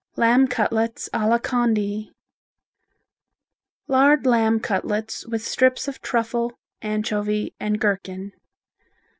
Lamb Cutlets a la Condi Lard lamb cutlets with strips of truffle, anchovy and gherkin.